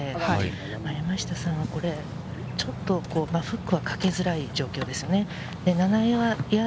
左足下がりなので、山下さんはちょっとフックはかけづらい状況ですかね。